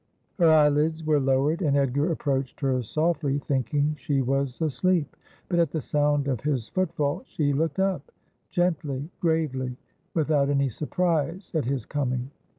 Her eyelids were lowered, and Edgar approached her softly, thinking she was asleep ; but at the sound of his footfall she looked up, gently, gravely, without any surprise at his coming.